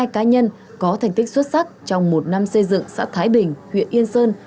hai cá nhân có thành tích xuất sắc trong một năm xây dựng xã thái bình huyện yên sơn